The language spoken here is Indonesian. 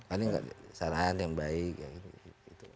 paling gak saran yang baik gitu